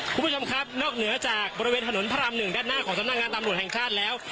คุณผู้ชมครับนอกเหนือจากบริเวณถนนพระราม๑ด้านหน้าของสำนักงานตำรวจแห่งชาติแล้ว